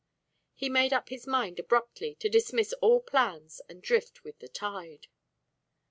He made up his mind abruptly to dismiss all plans and drift with the tide.